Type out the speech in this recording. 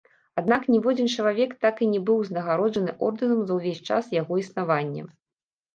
Аднак ніводзін чалавек так і не быў узнагароджаны ордэнам за ўвесь час яго існавання.